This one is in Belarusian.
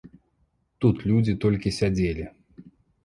Тут людзі толькі сядзелі.